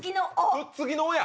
くっつきの「を」や。